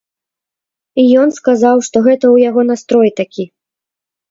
Ён сказаў, што гэта ў яго настрой такі.